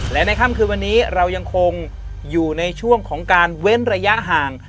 และในค่ำคืนวันนี้เรายังคงอยู่ในช่วงของการเว้นระยะห่าง